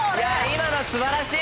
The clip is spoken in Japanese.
今のは素晴らしい！